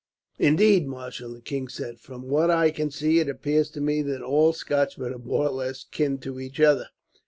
"'Indeed, marshal,' the king said, 'from what I can see, it appears to me that all Scotchmen are more or less kin to each other.'